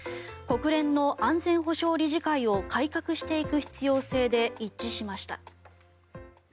国連の安全保障理事会を改革していく必要性で一致しました。